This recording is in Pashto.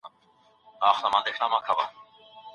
خپل داستاني اثر په پوره پاملرنه سره وڅېړئ.